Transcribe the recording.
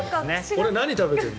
俺、何食べてるの？